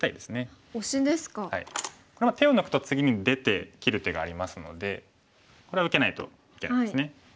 手を抜くと次に出て切る手がありますのでこれは受けないといけないですね。